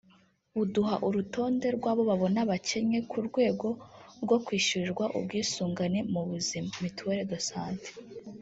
buduha urutonde rw’abo babona bakennye ku rwego rwo kwishyurirwa ubwisungane mu buzima (Mituelle de Santé)